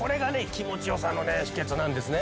気持ち良さのね秘訣なんですね。